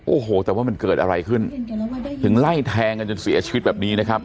โอ้โหแต่ว่ามันเกิดอะไรขึ้นถึงไล่แทงกันจนเสียชีวิตแบบนี้นะครับ